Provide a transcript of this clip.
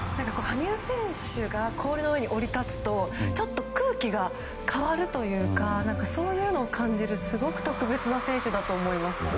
羽生選手が氷の上に降り立つとちょっと空気が変わるというかそういうのを感じるすごく特別な選手だと思います。